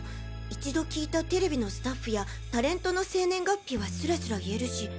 一度聞いたテレビのスタッフやタレントの生年月日はスラスラ言えるし。